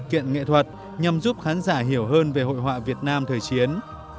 các sự kiện nghệ thuật nhằm giúp khán giả hiểu hơn về hội họa việt nam thời chiến